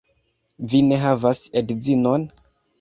Vi ne havas edzinon?